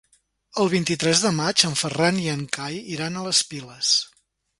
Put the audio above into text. El vint-i-tres de maig en Ferran i en Cai iran a les Piles.